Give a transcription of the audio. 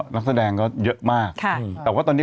นักแสดงก็เยอะมากแต่ว่าตอนนี้